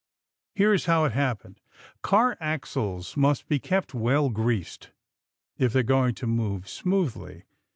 Here is how it happened: Car axles must be kept well greased if they are going to move smoothly.